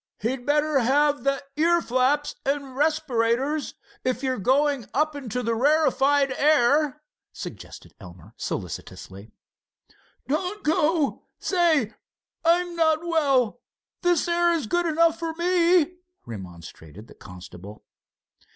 "He'd better have the earflaps and respirators if you're going up into the rarefied air," suggested Elmer, solicitously. "Don't go! Say, I'm not well! This air is good enough for me," remonstrated the constable.